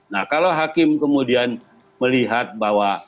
nah kalau hakim kemudian melihat bahwa